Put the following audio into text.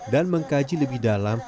dan mengkaji lebih dalam